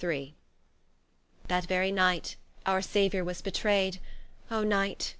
¶ That very Night our Saviour was betrayd, Oh night!